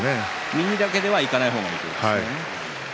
右だけでいかない方がいいということですね。